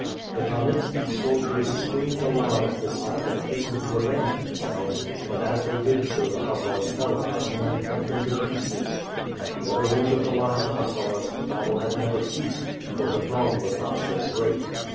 The Kalnitski soldiers screamed aloud at this sight and hastened to avenge themselves; but as they did so the hussars fell upon them and cut them to pieces. At the other end of the line of hussars, the battle had never ceased; for the throng was not so great.